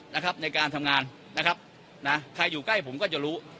นะครับในการทำงานนะครับนะใครอยู่ใกล้ผมก็จะรู้